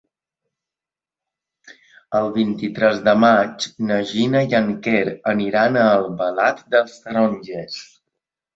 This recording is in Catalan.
El vint-i-tres de maig na Gina i en Quer aniran a Albalat dels Tarongers.